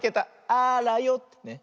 あらよってね。